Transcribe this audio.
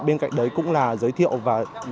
bên cạnh đấy cũng là giới thiệu và